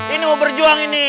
ini mau berjuang ini